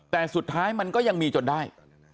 แต่สุดท้ายมันก็ยังมีจนได้